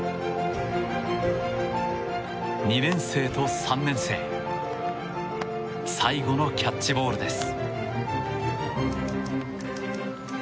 ２年生と３年生最後のキャッチボールです。